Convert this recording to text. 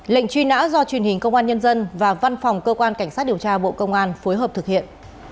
lệnh truy nã do truyền hình công an nhân dân và văn phòng cơ quan cảnh sát điều tra bộ công an phối hợp thực hiện